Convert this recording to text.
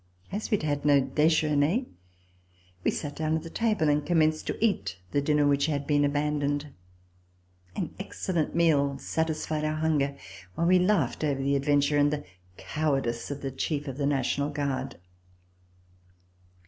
As we had had no dejeuner, we sat down at the table and commenced to eat the dinner which had been abandoned. An excellent meal satisfied our hunger, while we laughed over our ad venture and the cowardice of the chief of the National Guard.